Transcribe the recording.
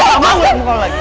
gue gak mau lagi